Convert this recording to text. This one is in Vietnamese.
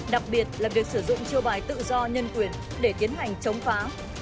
đặc biệt là việc sử dụng chiêu bài tự do nhân quyền để tiến hành chống phá